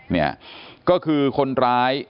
เนี่ยก็คือคนร้าย